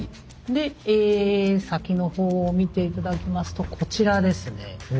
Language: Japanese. で先の方を見て頂きますとこちらですね。